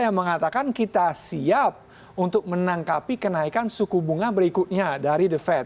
yang mengatakan kita siap untuk menangkapi kenaikan suku bunga berikutnya dari the fed